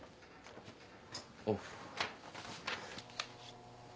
おう。